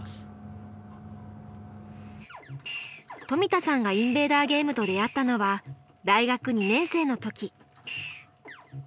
冨田さんがインベーダーゲームと出会ったのは大学２年生の時。